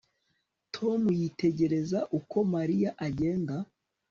Tom yitegereza uko Mariya agenda